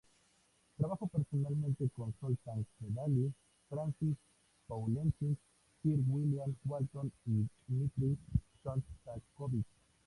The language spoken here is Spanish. Trabajó personalmente con Zoltán Kodály, Francis Poulenc, Sir William Walton y Dmitri Shostakovich.